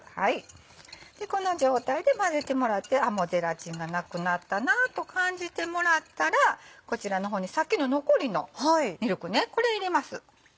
でこの状態で混ぜてもらってもうゼラチンがなくなったなと感じてもらったらこちらの方にさっきの残りのミルクねこれ入れます。